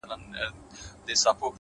هينداره وي چي هغه راسي خو بارانه نه يې;